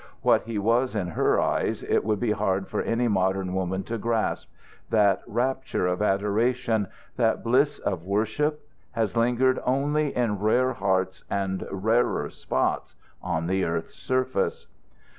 What he was in her eyes it would be hard for any modern woman to grasp: that rapture of adoration, that bliss of worship, has lingered only in rare hearts and rarer spots on the earth's surface.